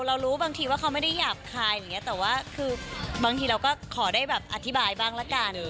เรารู้บางทีว่าเขาไม่ได้หยาบคายอย่างนี้แต่ว่าคือบางทีเราก็ขอได้แบบอธิบายบ้างละกัน